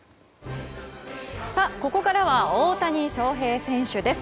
ここからは大谷翔平選手です。